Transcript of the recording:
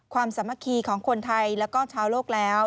สามัคคีของคนไทยแล้วก็ชาวโลกแล้ว